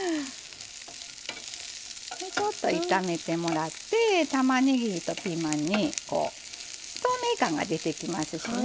ちょっと炒めてもらってたまねぎとピーマンに透明感が出てきますしね